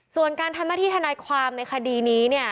ส่วนการทำหน้าที่ทนายความในคดีนี้เนี่ย